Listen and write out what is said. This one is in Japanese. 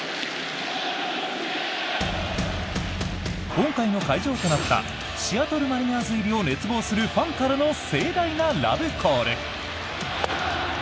今回の会場となったシアトル・マリナーズ入りを熱望するファンからの盛大なラブコール！